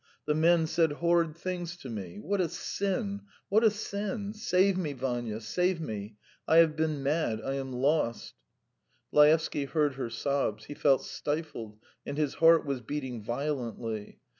... The men said horrid things to me. What a sin, what a sin! Save me, Vanya, save me. ... I have been mad. ... I am lost. ..." Laevsky heard her sobs. He felt stifled and his heart was beating violently.